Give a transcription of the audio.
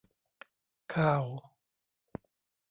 ข่าว !